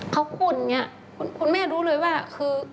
เขาพูดอย่างนี้คุณแม่รู้เลยว่าคือ